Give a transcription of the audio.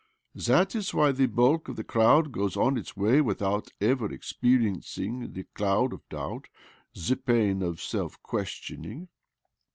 That is why the bulk of the crowd goes on its way without ever experiencing; the cloud of doubt, the pain of self question ing.